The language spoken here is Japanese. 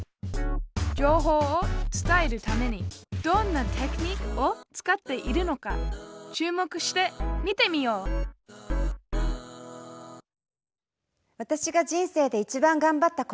情報を伝えるためにどんなテクニックを使っているのか注目して見てみよう私が人生でいちばんがんばった事。